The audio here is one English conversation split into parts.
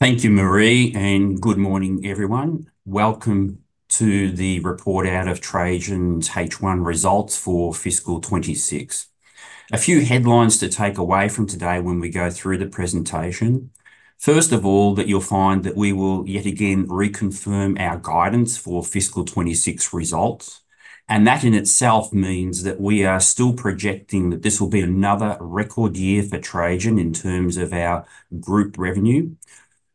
Thank you, Marie. Good morning, everyone. Welcome to the report out of Trajan's H1 results for fiscal 2026. A few headlines to take away from today when we go through the presentation. First of all, that you'll find that we will yet again reconfirm our guidance for fiscal 2026 results. That in itself means that we are still projecting that this will be another record year for Trajan in terms of our group revenue.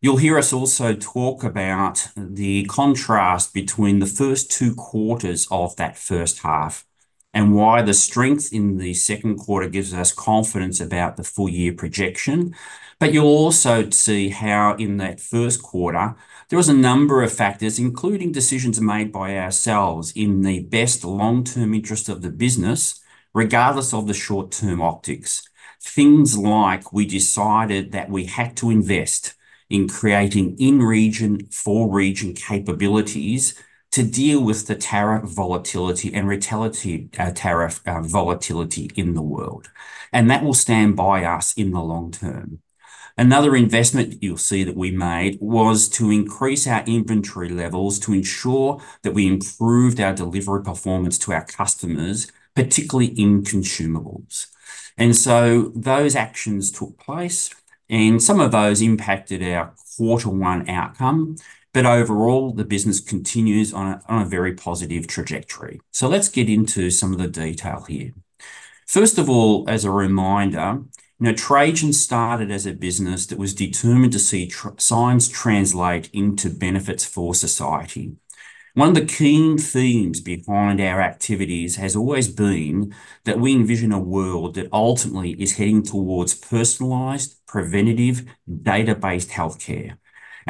You'll hear us also talk about the contrast between the first two quarters of that H1, why the strength in the Q2 gives us confidence about the full year projection. You'll also see how in that Q1, there was a number of factors, including decisions made by ourselves in the best long-term interest of the business, regardless of the short-term optics. Things like we decided that we had to invest in creating in-region, for-region capabilities to deal with the tariff volatility in the world, and that will stand by us in the long term. Another investment you'll see that we made was to increase our inventory levels to ensure that we improved our delivery performance to our customers, particularly in consumables. Those actions took place, and some of those impacted our Q1 outcome, but overall, the business continues on a very positive trajectory. Let's get into some of the detail here. First of all, as a reminder, you know, Trajan started as a business that was determined to see science translate into benefits for society. One of the key themes behind our activities has always been that we envision a world that ultimately is heading towards personalized, preventative, data-based healthcare.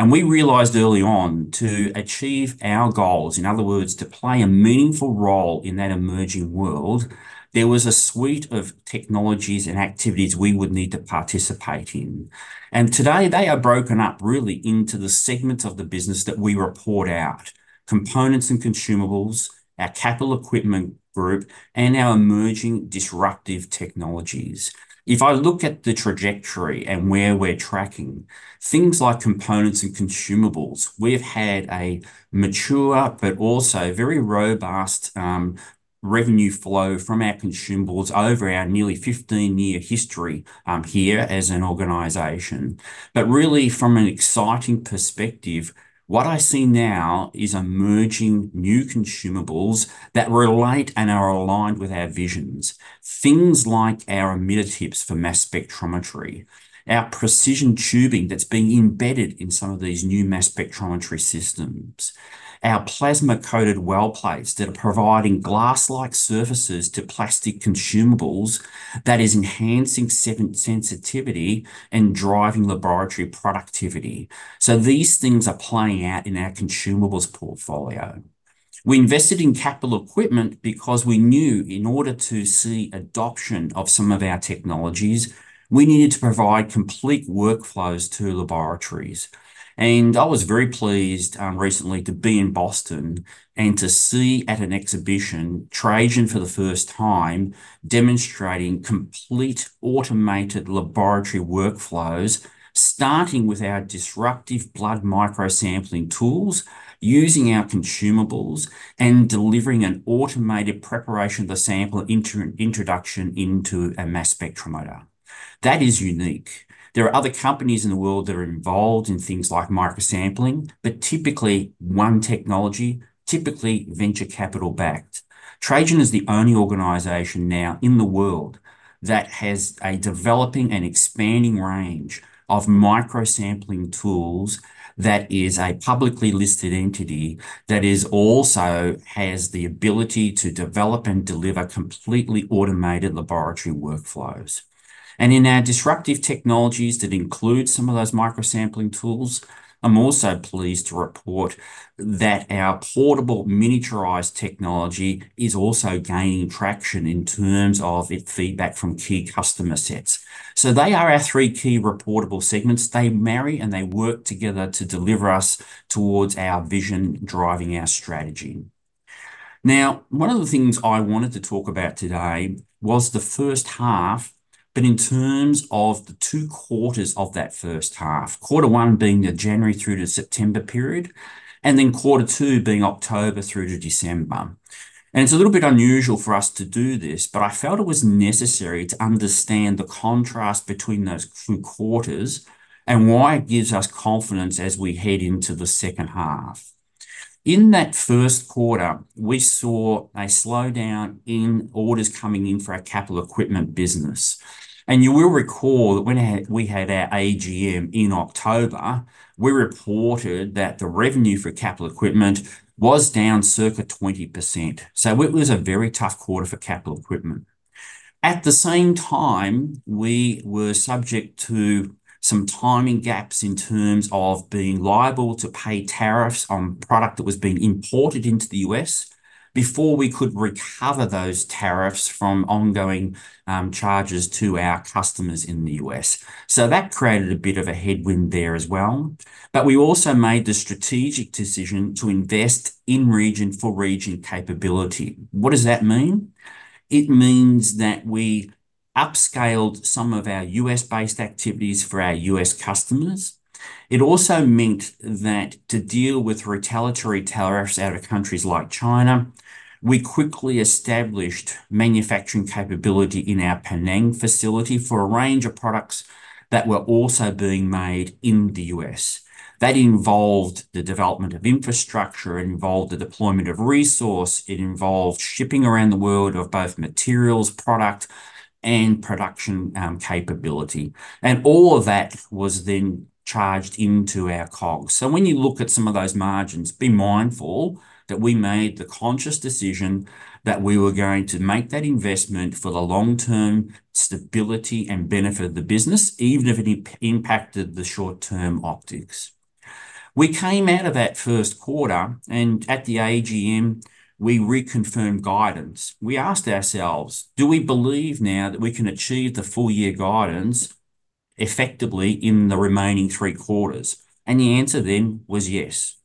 We realized early on, to achieve our goals, in other words, to play a meaningful role in that emerging world, there was a suite of technologies and activities we would need to participate in. Today, they are broken up really into the segments of the business that we report out: components and consumables, our capital equipment group, and our emerging disruptive technologies. If I look at the trajectory and where we're tracking, things like components and consumables, we've had a mature but also very robust, revenue flow from our consumables over our nearly 15-year history, here as an organization. Really, from an exciting perspective, what I see now is emerging new consumables that relate and are aligned with our visions. Things like our emitter tips for mass spectrometry, our precision tubing that's being embedded in some of these new mass spectrometry systems, our plasma-coated well plates that are providing glass-like surfaces to plastic consumables that is enhancing sensitivity and driving laboratory productivity. These things are playing out in our consumables portfolio. We invested in capital equipment because we knew in order to see adoption of some of our technologies, we needed to provide complete workflows to laboratories. I was very pleased recently to be in Boston and to see at an exhibition, Trajan, for the first time, demonstrating complete automated laboratory workflows, starting with our disruptive blood microsampling tools, using our consumables, and delivering an automated preparation of the sample introduction into a mass spectrometer. That is unique. There are other companies in the world that are involved in things like microsampling, but typically one technology, typically venture capital-backed. Trajan is the only organization now in the world that has a developing and expanding range of microsampling tools, that is a publicly listed entity, that also has the ability to develop and deliver completely automated laboratory workflows. In our disruptive technologies that include some of those microsampling tools, I'm also pleased to report that our portable miniaturized technology is also gaining traction in terms of its feedback from key customer sets. They are our three key reportable segments. They marry, and they work together to deliver us towards our vision, driving our strategy. Now, one of the things I wanted to talk about today was the H1, but in terms of the two quarters of that H1. Quarter one being the January through to September period, quarter two being October through to December. It's a little bit unusual for us to do this, but I felt it was necessary to understand the contrast between those two quarters and why it gives us confidence as we head into the H2. In that Q1, we saw a slowdown in orders coming in for our capital equipment business. You will recall that when we had our AGM in October, we reported that the revenue for capital equipment was down circa 20%. It was a very tough quarter for capital equipment. At the same time, we were subject to some timing gaps in terms of being liable to pay tariffs on product that was being imported into the U.S. before we could recover those tariffs from ongoing charges to our customers in the U.S. That created a bit of a headwind there as well, but we also made the strategic decision to invest in-region for-region capability. What does that mean? It means that we upscaled some of our U.S.-based activities for our U.S. customers. It also meant that to deal with retaliatory tariffs out of countries like China, we quickly established manufacturing capability in our Penang facility for a range of products that were also being made in the U.S. That involved the development of infrastructure, it involved the deployment of resource, it involved shipping around the world of both materials, product, and production capability. All of that was then charged into our COGS. When you look at some of those margins, be mindful that we made the conscious decision that we were going to make that investment for the long-term stability and benefit of the business, even if it impacted the short-term optics. We came out of that Q1, and at the AGM, we reconfirmed guidance. We asked ourselves: Do we believe now that we can achieve the full-year guidance effectively in the remaining three quarters? The answer then was yes.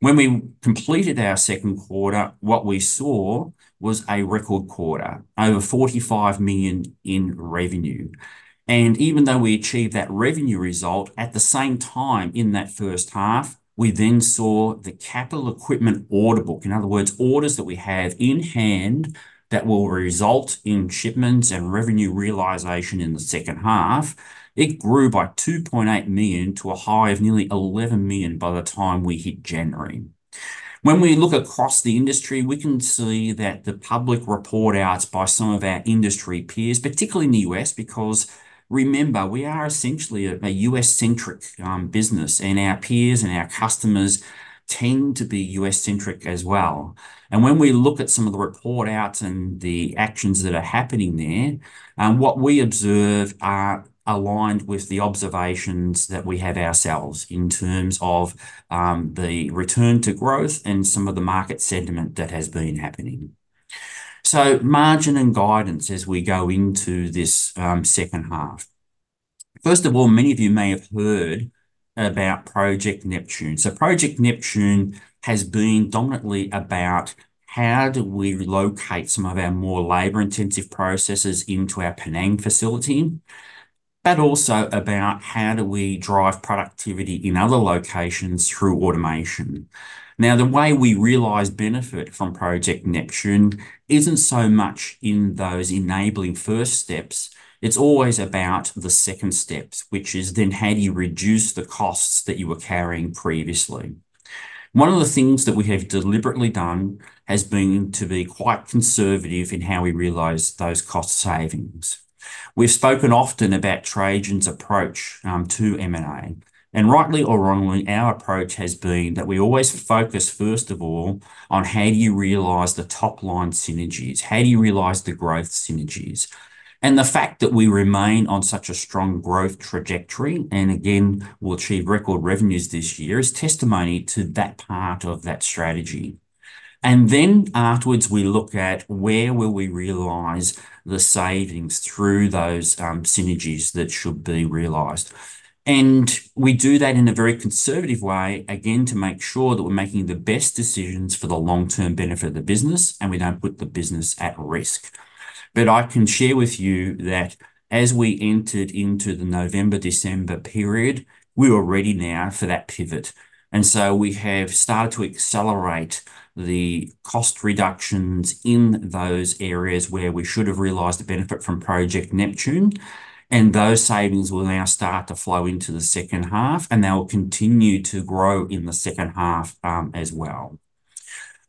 When we completed our Q2, what we saw was a record quarter, over 45 million in revenue. Even though we achieved that revenue result, at the same time, in that H1, we saw the capital equipment order book, in other words, orders that we have in hand that will result in shipments and revenue realization in the H2, it grew by 2.8 million to a high of nearly 11 million by the time we hit January. We look across the industry, we can see that the public report outs by some of our industry peers, particularly in the U.S., because remember, we are essentially a U.S.-centric business, and our peers and our customers tend to be U.S.-centric as well. When we look at some of the report outs and the actions that are happening there, what we observe are aligned with the observations that we have ourselves in terms of the return to growth and some of the market sentiment that has been happening. Margin and guidance as we go into this H2. First of all, many of you may have heard about Project Neptune. Project Neptune has been dominantly about, how do we relocate some of our more labor-intensive processes into our Penang facility. Also about, how do we drive productivity in other locations through automation? The way we realize benefit from Project Neptune isn't so much in those enabling first steps. It's always about the second steps, which is then, how do you reduce the costs that you were carrying previously? One of the things that we have deliberately done has been to be quite conservative in how we realize those cost savings. We've spoken often about Trajan's approach to M&A, and rightly or wrongly, our approach has been that we always focus, first of all, on how do you realize the top-line synergies, how do you realize the growth synergies? The fact that we remain on such a strong growth trajectory, and again, we'll achieve record revenues this year, is testimony to that part of that strategy. Then afterwards, we look at where will we realize the savings through those synergies that should be realized. We do that in a very conservative way, again, to make sure that we're making the best decisions for the long-term benefit of the business, and we don't put the business at risk. I can share with you that as we entered into the November-December period, we were ready now for that pivot, and so we have started to accelerate the cost reductions in those areas where we should have realized the benefit from Project Neptune, and those savings will now start to flow into the H2, and they will continue to grow in the H2 as well.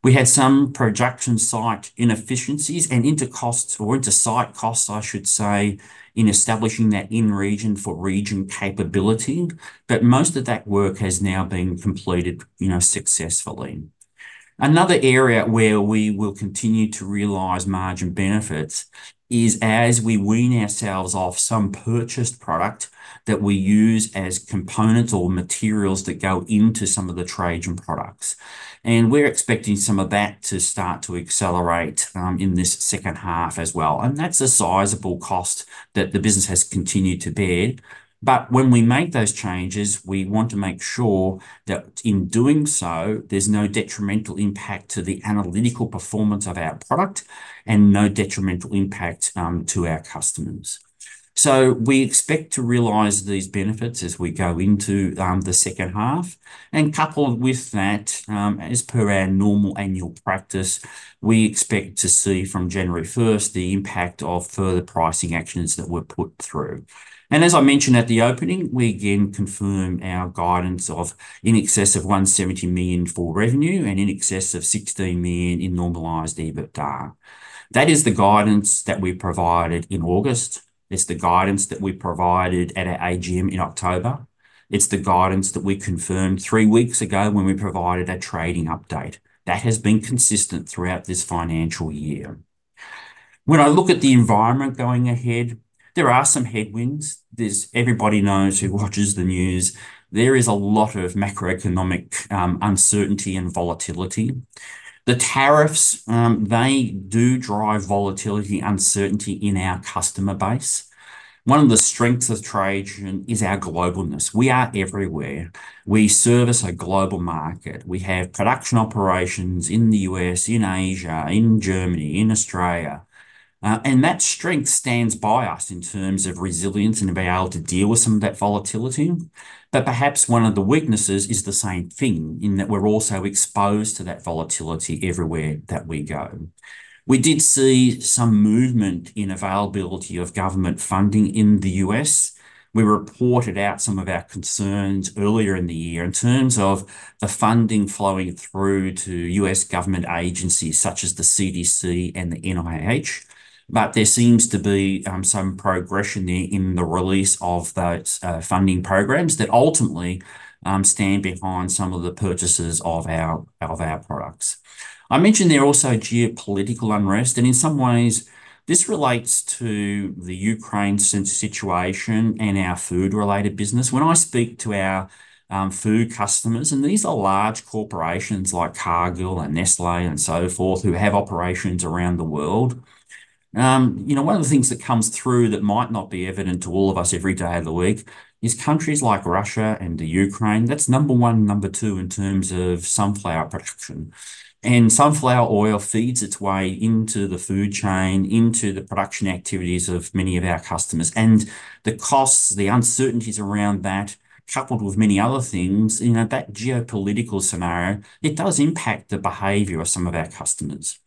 We had some projection site inefficiencies and intercosts, or intersite costs, I should say, in establishing that in-region-for-region capability, but most of that work has now been completed, you know, successfully. Another area where we will continue to realize margin benefits is as we wean ourselves off some purchased product that we use as components or materials that go into some of the Trajan products. We're expecting some of that to start to accelerate in this H2 as well, and that's a sizeable cost that the business has continued to bear. When we make those changes, we want to make sure that in doing so, there's no detrimental impact to the analytical performance of our product and no detrimental impact to our customers. We expect to realize these benefits as we go into the H2. Coupled with that, as per our normal annual practice, we expect to see from January 1st, the impact of further pricing actions that were put through. As I mentioned at the opening, we again confirm our guidance of in excess of 170 million for revenue and in excess of 16 million in normalised EBITDA. That is the guidance that we provided in August. It's the guidance that we provided at our AGM in October. It's the guidance that we confirmed three weeks ago when we provided a trading update. That has been consistent throughout this financial year. When I look at the environment going ahead, there are some headwinds. Everybody knows who watches the news, there is a lot of macroeconomic uncertainty and volatility. The tariffs, they do drive volatility, uncertainty in our customer base. One of the strengths of Trajan is our globalness. We are everywhere. We service a global market. We have production operations in the U.S., in Asia, in Germany, in Australia. That strength stands by us in terms of resilience and being able to deal with some of that volatility. Perhaps one of the weaknesses is the same thing, in that we're also exposed to that volatility everywhere that we go. We did see some movement in availability of government funding in the U.S. We reported out some of our concerns earlier in the year in terms of the funding flowing through to U.S. government agencies such as the CDC and the NIH. There seems to be some progression there in the release of those funding programs that ultimately stand behind some of the purchases of our products. I mentioned there are also geopolitical unrest. In some ways, this relates to the Ukraine situation and our food-related business. When I speak to our food customers, these are large corporations like Cargill and Nestlé and so forth, who have operations around the world, you know, one of the things that comes through that might not be evident to all of us every day of the week is countries like Russia and the Ukraine, that's number one and number two in terms of sunflower production. Sunflower oil feeds its way into the food chain, into the production activities of many of our customers, and the costs, the uncertainties around that, coupled with many other things, you know, that geopolitical scenario, it does impact the behavior of some of our customers.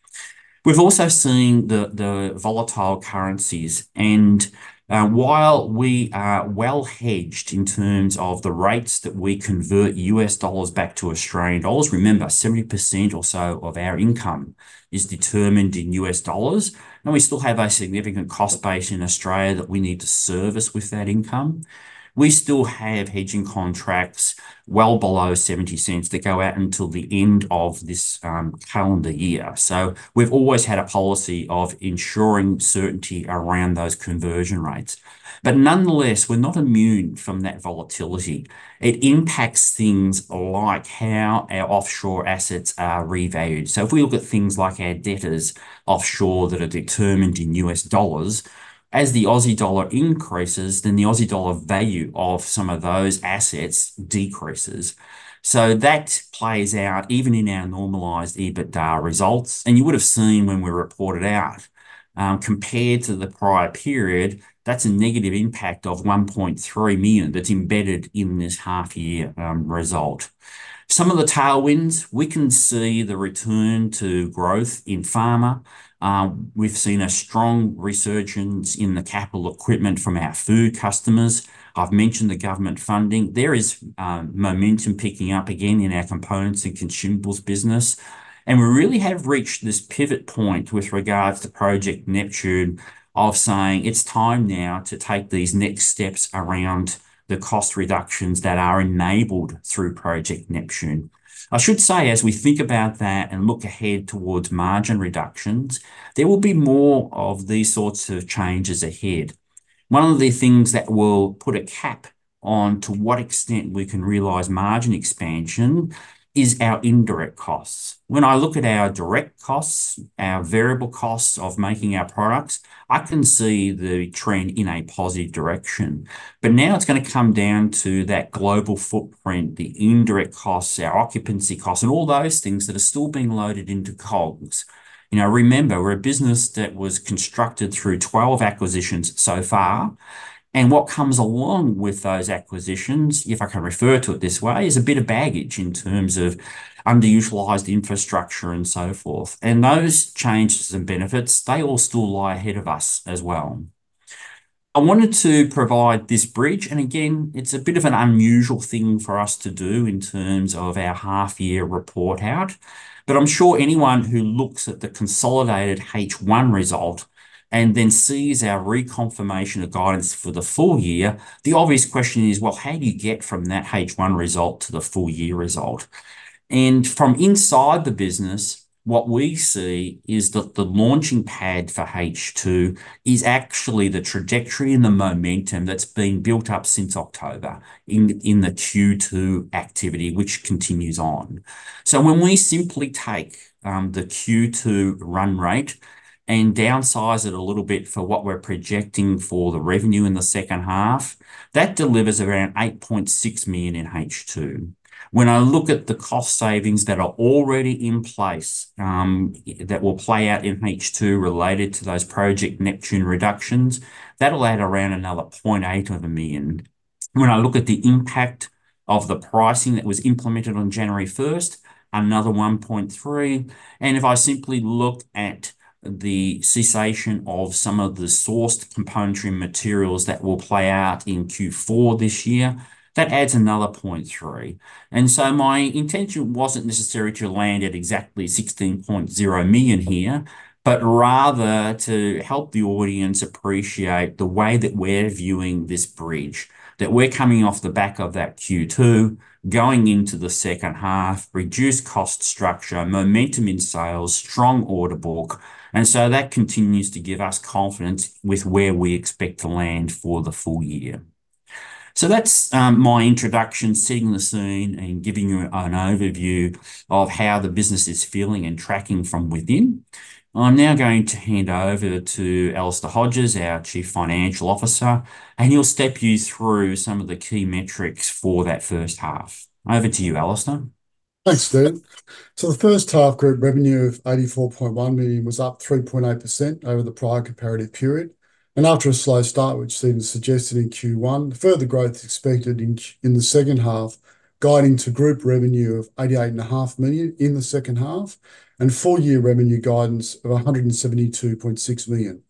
We've also seen the volatile currencies, and while we are well hedged in terms of the rates that we convert US dollars back to Australian dollars, remember, 70% or so of our income is determined in U.S. dollars, and we still have a significant cost base in Australia that we need to service with that income. We still have hedging contracts well below 0.70 that go out until the end of this calendar year. We've always had a policy of ensuring certainty around those conversion rates, but nonetheless, we're not immune from that volatility. It impacts things like how our offshore assets are revalued. If we look at things like our debtors offshore that are determined in U.S. dollars, as the Aussie dollar increases, then the Aussie dollar value of some of those assets decreases. That plays out even in our normalized EBITDA results. You would have seen when we reported out, compared to the prior period, that's a negative impact of 1.3 million that's embedded in this half year result. Some of the tailwinds, we can see the return to growth in pharma. We've seen a strong resurgence in the capital equipment from our food customers. I've mentioned the government funding. There is momentum picking up again in our components and consumables business, and we really have reached this pivot point with regards to Project Neptune, of saying it's time now to take these next steps around the cost reductions that are enabled through Project Neptune. I should say, as we think about that and look ahead towards margin reductions, there will be more of these sorts of changes ahead. One of the things that will put a cap on to what extent we can realize margin expansion is our indirect costs. When I look at our direct costs, our variable costs of making our products, I can see the trend in a positive direction, but now it's gonna come down to that global footprint, the indirect costs, our occupancy costs, and all those things that are still being loaded into COGS. You know, remember, we're a business that was constructed through 12 acquisitions so far, and what comes along with those acquisitions, if I can refer to it this way, is a bit of baggage in terms of underutilized infrastructure and so forth. Those changes and benefits, they all still lie ahead of us as well. I wanted to provide this bridge, and again, it's a bit of an unusual thing for us to do in terms of our half year report out, but I'm sure anyone who looks at the consolidated H1 result and then sees our reconfirmation of guidance for the full year, the obvious question is, well, how do you get from that H1 result to the full year result? From inside the business, what we see is that the launching pad for H2 is actually the trajectory and the momentum that's been built up since October in the Q2 activity, which continues on. When we simply take the Q2 run rate and downsize it a little bit for what we're projecting for the revenue in the H2, that delivers around 8.6 million in H2. When I look at the cost savings that are already in place, that will play out in H2 related to those Project Neptune reductions, that'll add around another 0.8 million. When I look at the impact of the pricing that was implemented on January first, another 1.3 million, and if I simply look at the cessation of some of the sourced componentry materials that will play out in Q4 this year, that adds another 0.3 million. My intention wasn't necessarily to land at exactly 16.0 million here, but rather to help the audience appreciate the way that we're viewing this bridge, that we're coming off the back of that Q2, going into the H2, reduced cost structure, momentum in sales, strong order book, that continues to give us confidence with where we expect to land for the full year. That's my introduction, setting the scene, and giving you an overview of how the business is feeling and tracking from within. I'm now going to hand over to Alister Hodges, our Chief Financial Officer, and he'll step you through some of the key metrics for that H1. Over to you, Alister. Thanks, Steve. The H1 group revenue of 84.1 million was up 3.8% over the prior comparative period. After a slow start, which Stephen suggested in Q1, further growth is expected in the H2, guiding to group revenue of 88.5 million in the H2, and full year revenue guidance of 172.6 million.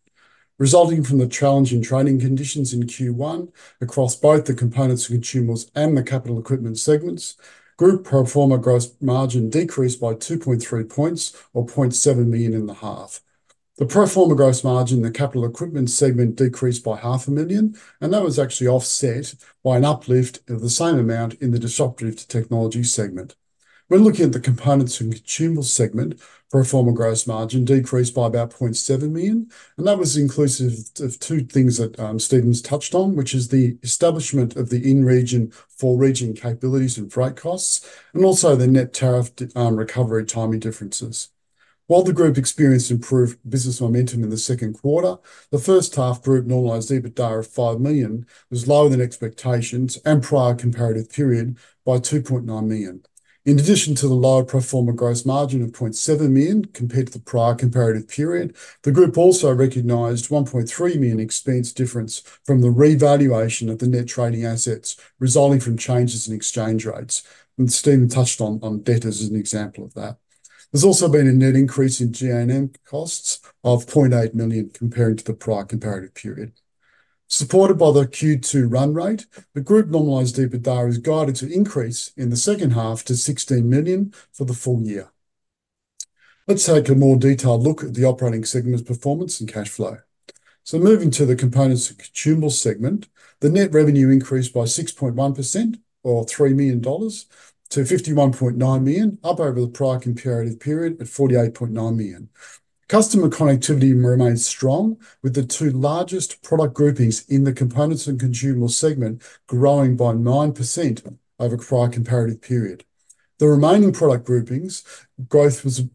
Resulting from the challenging trading conditions in Q1 across both the components and consumables and the capital equipment segments, group pro forma gross margin decreased by 2.3 points or 0.7 million in the half. The pro forma gross margin in the capital equipment segment decreased by AUD half a million, that was actually offset by an uplift of the same amount in the disruptive technology segment. When looking at the components and consumables segment, pro forma gross margin decreased by about 0.7 million, and that was inclusive of two things that Steven's touched on, which is the establishment of the in-region for-region capabilities and freight costs, and also the net tariff recovery timing differences. While the group experienced improved business momentum in the Q2, the H1 group normalized EBITDA of 5 million was lower than expectations and prior comparative period by 2.9 million. In addition to the lower pro forma gross margin of 0.7 million compared to the prior comparative period, the group also recognized 1.3 million expense difference from the revaluation of the net trading assets resulting from changes in exchange rates, and Steven touched on debt as an example of that. There's also been a net increase in G&A costs of 0.8 million comparing to the prior comparative period. Supported by the Q2 run rate, the Group normalised EBITDA is guided to increase in the H2 to 16 million for the full year. Let's take a more detailed look at the operating segment's performance and cash flow. Moving to the components and consumables segment, the net revenue increased by 6.1%, or 3 million dollars, to 51.9 million, up over the prior comparative period at 48.9 million. Customer connectivity remains strong, with the two largest product groupings in the components and consumables segment growing by 9% over prior comparative period. The remaining product groupings,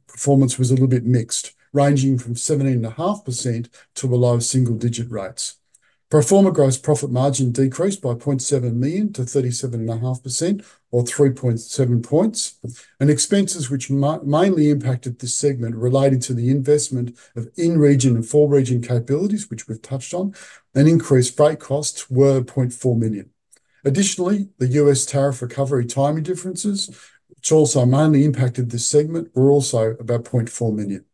performance was a little bit mixed, ranging from 17.5% to below single-digit rates. Pro forma gross profit margin decreased by 0.7 million to 37.5%, or 3.7 points. Expenses which mainly impacted this segment related to the investment of in-region for-region capabilities, which we've touched on, increased freight costs were 0.4 million. Additionally, the U.S. tariff recovery timing differences, which also mainly impacted this segment, were also about 0.4 million.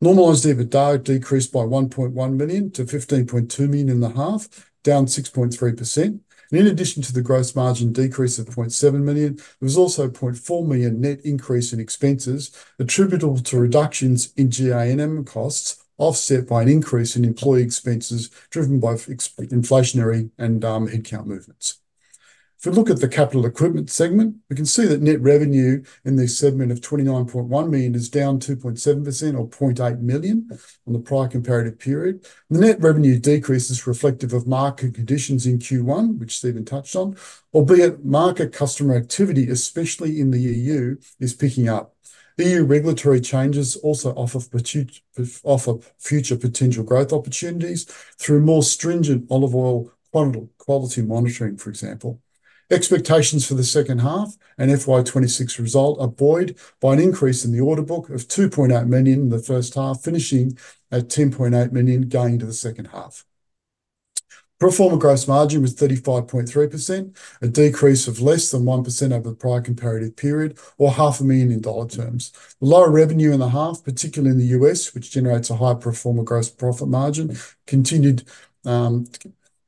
Normalized EBITDA decreased by 1.1 million to 15.2 million in the half, down 6.3%. In addition to the gross margin decrease of 0.7 million, there was also a 0.4 million net increase in expenses attributable to reductions in G&A costs, offset by an increase in employee expenses, driven by inflationary and headcount movements. We look at the capital equipment segment, we can see that net revenue in this segment of 29.1 million is down 2.7%, or 0.8 million, on the prior comparative period. The net revenue decrease is reflective of market conditions in Q1, which Steven touched on, albeit market customer activity, especially in the EU, is picking up. EU regulatory changes also offer future potential growth opportunities through more stringent olive oil quality monitoring, for example. Expectations for the H2 and FY26 result are buoyed by an increase in the order book of 2.8 million in the H1, finishing at 10.8 million going into the H2. Pro forma gross margin was 35.3%, a decrease of less than 1% over the prior comparative period, or half a million in dollar terms. The lower revenue in the half, particularly in the U.S., which generates a high pro forma gross profit margin, continued,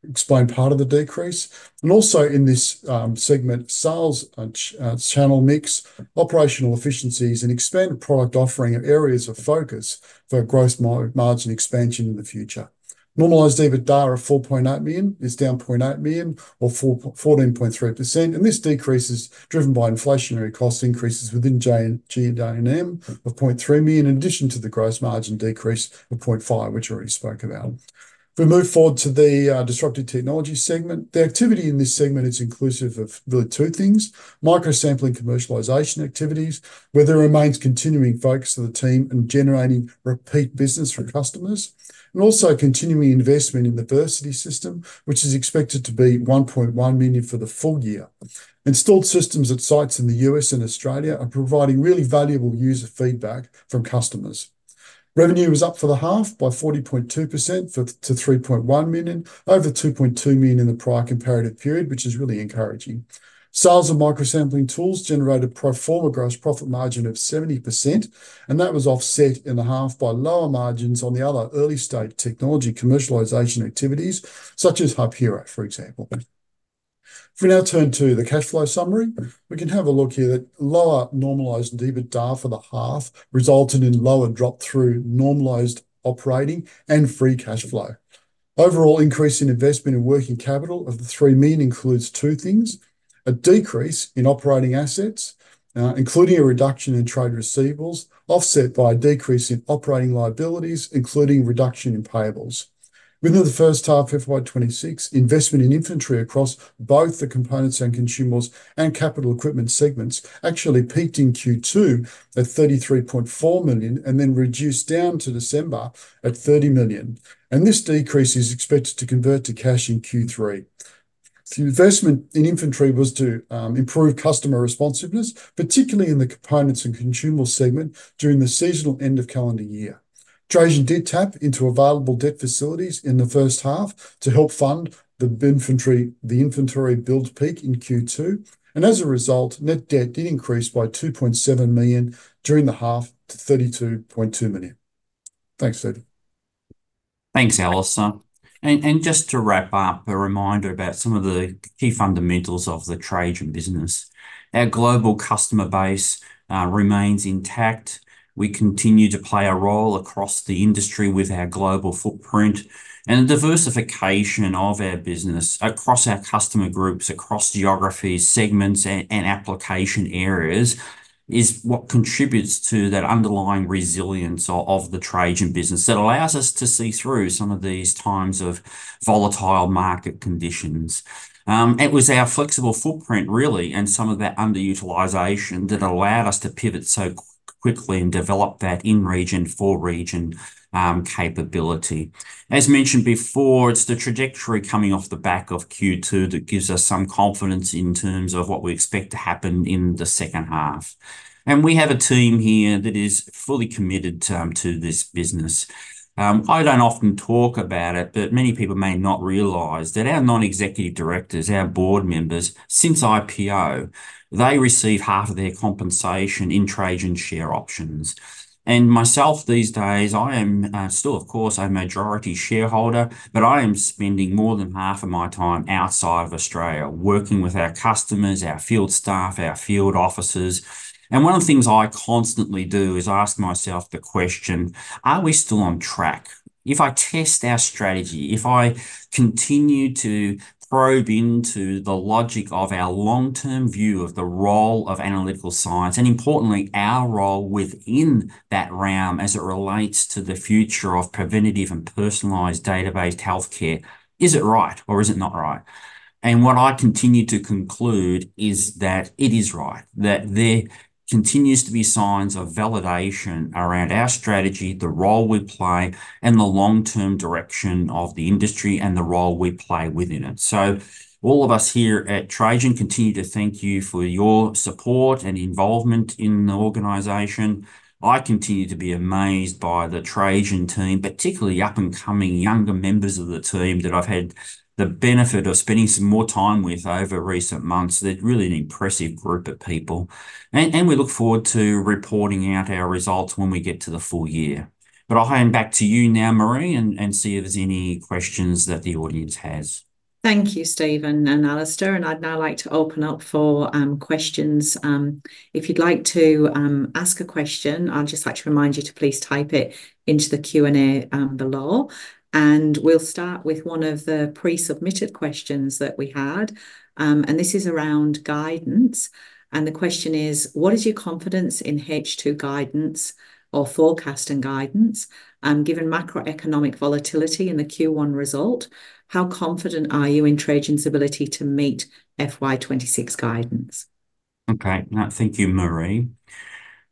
explained part of the decrease. Also in this segment, sales and channel mix, operational efficiencies, and expanded product offering of areas of focus for growth margin expansion in the future. Normalized EBITDA of 4.8 million is down 0.8 million or 14.3%, and this decrease is driven by inflationary cost increases within G&A of 0.3 million, in addition to the gross margin decrease of 0.5 million, which I already spoke about. If we move forward to the disruptive technology segment, the activity in this segment is inclusive of the two things: microsampling commercialisation activities, where there remains continuing focus of the team in generating repeat business from customers, and also continuing investment in the Versiti system, which is expected to be 1.1 million for the full year. Installed systems at sites in the U.S. and Australia are providing really valuable user feedback from customers. Revenue was up for the half by 40.2% to 3.1 million, over 2.2 million in the prior comparative period, which is really encouraging. Sales of microsampling tools generated pro forma gross profit margin of 70%, and that was offset in the half by lower margins on the other early-stage technology commercialisation activities, such as Heuchera, for example. If we now turn to the cash flow summary, we can have a look here that lower normalized EBITDA for the half resulted in lower drop through normalized operating and free cash flow. Overall increase in investment and working capital of the three main includes two things: a decrease in operating assets, including a reduction in trade receivables, offset by a decrease in operating liabilities, including reduction in payables. Within the H1 FY26, investment in inventory across both the components and consumables and capital equipment segments actually peaked in Q2 at $33.4 million, and then reduced down to December at $30 million, and this decrease is expected to convert to cash in Q3. The investment in inventory was to improve customer responsiveness, particularly in the components and consumables segment during the seasonal end of calendar year. Trajan did tap into available debt facilities in the H1 to help fund the inventory, the inventory build peak in Q2. As a result, net debt did increase by $2.7 million during the half to $32.2 million. Thanks Stephen. Thanks, Alister. Just to wrap up, a reminder about some of the key fundamentals of the Trajan business. Our global customer base remains intact. We continue to play a role across the industry with our global footprint, and the diversification of our business across our customer groups, across geographies, segments, and application areas, is what contributes to that underlying resilience of the Trajan business that allows us to see through some of these times of volatile market conditions. It was our flexible footprint really, and some of that underutilization, that allowed us to pivot so quickly and develop that in-region for-region capability. As mentioned before, it's the trajectory coming off the back of Q2 that gives us some confidence in terms of what we expect to happen in the H2. We have a team here that is fully committed to this business. I don't often talk about it, but many people may not realize that our non-executive directors, our board members, since IPO, they receive half of their compensation in Trajan share options. Myself, these days, I am still, of course, a majority shareholder, but I am spending more than half of my time outside of Australia, working with our customers, our field staff, our field offices. One of the things I constantly do is ask myself the question: Are we still on track? If I test our strategy, if I continue to probe into the logic of our long-term view of the role of analytical science, and importantly, our role within that realm as it relates to the future of preventative and personalized data-based healthcare, is it right or is it not right? What I continue to conclude is that it is right, that there continues to be signs of validation around our strategy, the role we play, and the long-term direction of the industry and the role we play within it. All of us here at Trajan continue to thank you for your support and involvement in the organization. I continue to be amazed by the Trajan team, particularly up-and-coming younger members of the team that I've had the benefit of spending some more time with over recent months. They're really an impressive group of people, and we look forward to reporting out our results when we get to the full year. I'll hand back to you now, Marie, and see if there's any questions that the audience has. Thank you, Stephen and Alister, I'd now like to open up for questions. If you'd like to ask a question, I'd just like to remind you to please type it into the Q&A below. We'll start with one of the pre-submitted questions that we had, and this is around guidance. The question is: What is your confidence in H2 guidance or forecast and guidance, given macroeconomic volatility in the Q1 result, how confident are you in Trajan's ability to meet FY26 guidance? Okay. Now, thank you, Marie.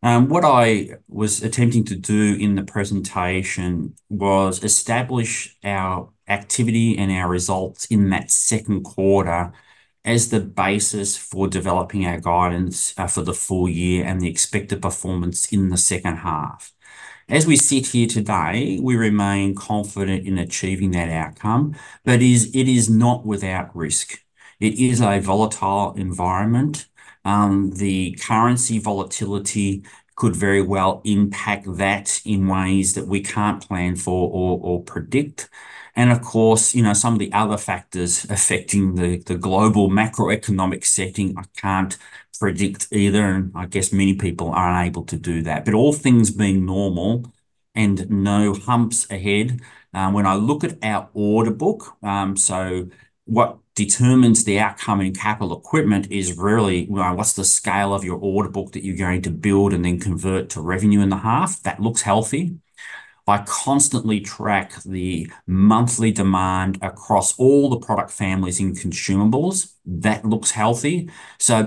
What I was attempting to do in the presentation was establish our activity and our results in that Q2 as the basis for developing our guidance for the full year and the expected performance in the H2. As we sit here today, we remain confident in achieving that outcome, but it is not without risk. It is a volatile environment. The currency volatility could very well impact that in ways that we can't plan for or predict. Of course, you know, some of the other factors affecting the global macroeconomic setting, I can't predict either, and I guess many people aren't able to do that. All things being normal and no humps ahead, when I look at our order book, what determines the outcome in capital equipment is really, well, what's the scale of your order book that you're going to build and then convert to revenue in the half. That looks healthy. I constantly track the monthly demand across all the product families in consumables. That looks healthy.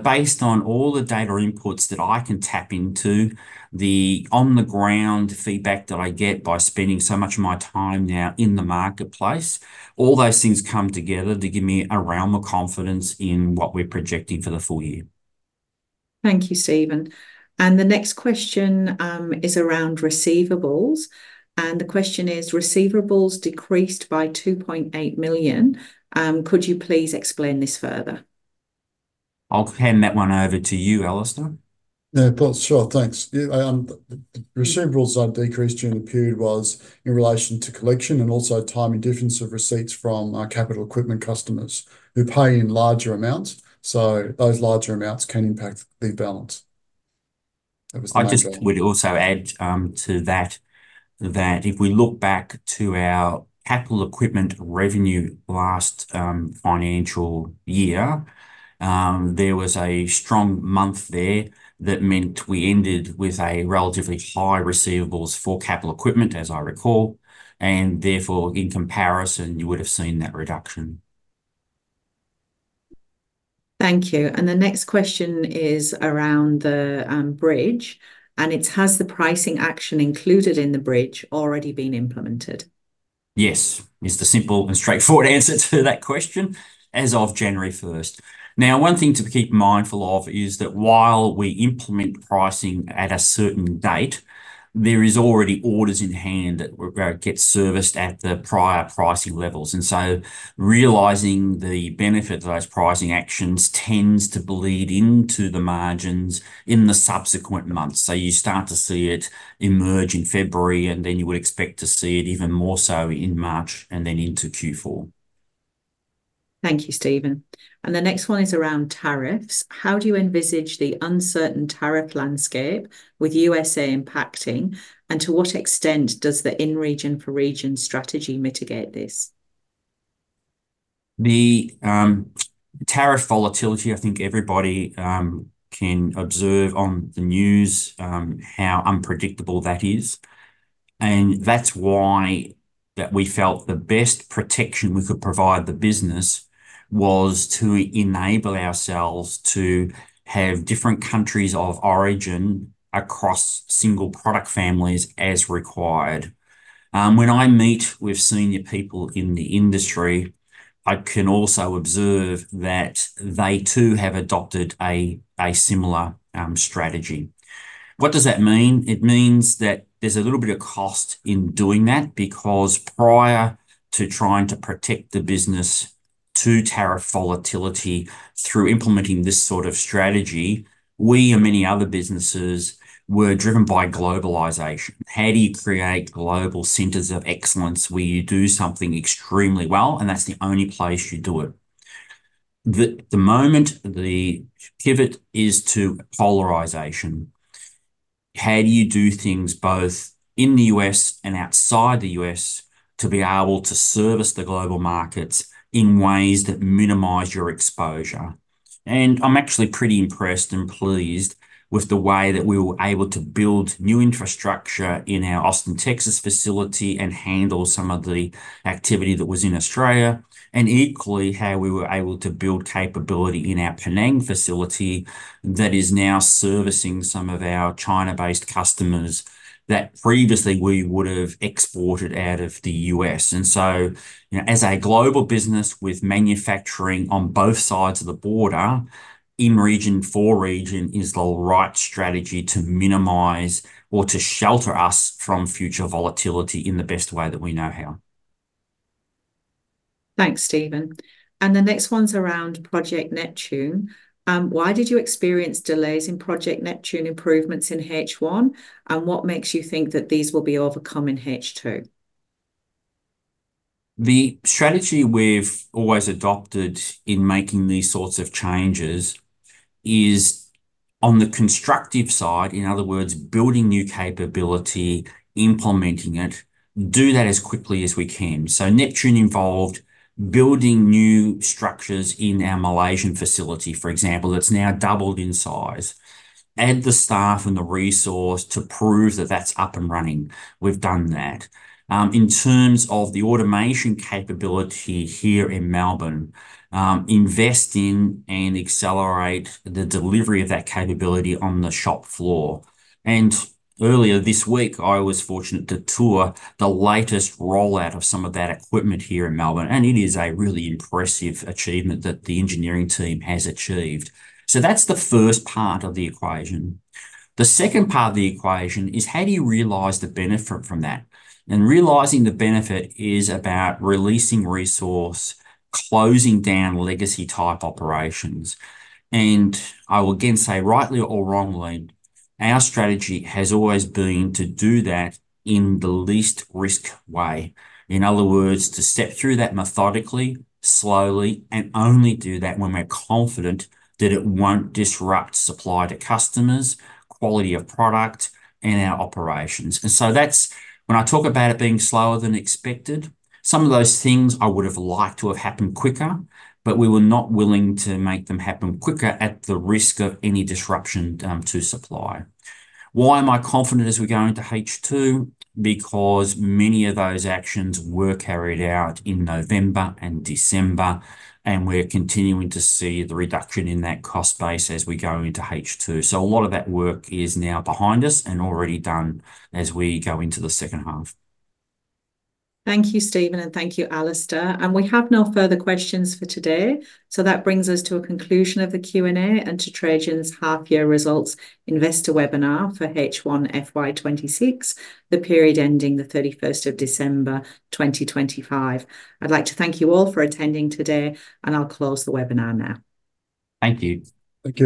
Based on all the data inputs that I can tap into, the on-the-ground feedback that I get by spending so much of my time now in the marketplace, all those things come together to give me a realm of confidence in what we're projecting for the full year. Thank you, Stephen. The next question, is around receivables, and the question is: Receivables decreased by 2.8 million. Could you please explain this further? I'll hand that one over to you, Alister. Yeah, well, sure. Thanks. Yeah, the receivables that decreased during the period was in relation to collection and also timing difference of receipts from our capital equipment customers, who pay in larger amounts, so those larger amounts can impact the balance. I just would also add to that if we look back to our capital equipment revenue last financial year, there was a strong month there that meant we ended with a relatively high receivables for capital equipment, as I recall, and therefore, in comparison, you would've seen that reduction. Thank you. The next question is around the bridge, and it's: has the pricing action included in the bridge already been implemented? Yes, is the simple and straightforward answer to that question, as of January 1st. One thing to keep mindful of is that while we implement pricing at a certain date, there is already orders in hand that are going to get serviced at the prior pricing levels. Realizing the benefit of those pricing actions tends to bleed into the margins in the subsequent months. You start to see it emerge in February, and then you would expect to see it even more so in March and then into Q4. Thank you, Steven. The next one is around tariffs. How do you envisage the uncertain tariff landscape with U.S.A. impacting, and to what extent does the in-region for-region strategy mitigate this? The tariff volatility, I think everybody can observe on the news, how unpredictable that is, and that's why that we felt the best protection we could provide the business was to enable ourselves to have different countries of origin across single product families as required. When I meet with senior people in the industry, I can also observe that they, too, have adopted a similar strategy. What does that mean? It means that there's a little bit of cost in doing that, because prior to trying to protect the business to tariff volatility through implementing this sort of strategy, we and many other businesses were driven by globalization. How do you create global centers of excellence where you do something extremely well, and that's the only place you do it? The moment the pivot is to polarization, how do you do things both in the U.S. and outside the U.S. to be able to service the global markets in ways that minimize your exposure? I'm actually pretty impressed and pleased with the way that we were able to build new infrastructure in our Austin, Texas, facility and handle some of the activity that was in Australia, and equally, how we were able to build capability in our Penang facility that is now servicing some of our China-based customers that previously we would've exported out of the U.S. You know, as a global business with manufacturing on both sides of the border, in-region for-region is the right strategy to minimize or to shelter us from future volatility in the best way that we know how. Thanks, Steven. The next one's around Project Neptune. Why did you experience delays in Project Neptune improvements in H1, and what makes you think that these will be overcome in H2? The strategy we've always adopted in making these sorts of changes is, on the constructive side, in other words, building new capability, implementing it, do that as quickly as we can. Neptune involved building new structures in our Malaysian facility, for example. It's now doubled in size. Add the staff and the resource to prove that that's up and running. We've done that. In terms of the automation capability here in Melbourne, invest in and accelerate the delivery of that capability on the shop floor. Earlier this week, I was fortunate to tour the latest rollout of some of that equipment here in Melbourne, and it is a really impressive achievement that the engineering team has achieved. That's the first part of the equation. The second part of the equation is, how do you realize the benefit from that? Realizing the benefit is about releasing resource, closing down legacy-type operations. I will again say, rightly or wrongly, our strategy has always been to do that in the least risk way. In other words, to step through that methodically, slowly, and only do that when we're confident that it won't disrupt supply to customers, quality of product, and our operations. That's. When I talk about it being slower than expected, some of those things I would've liked to have happened quicker, but we were not willing to make them happen quicker at the risk of any disruption to supply. Why am I confident as we go into H2? Because many of those actions were carried out in November and December, and we're continuing to see the reduction in that cost base as we go into H2. A lot of that work is now behind us and already done as we go into the H2. Thank you, Stephen, and thank you, Alister. We have no further questions for today, so that brings us to a conclusion of the Q&A and to Trajan's half year results investor webinar for H1 FY 2026, the period ending the 31st of December 2025. I'd like to thank you all for attending today, and I'll close the webinar now. Thank you. Thank you.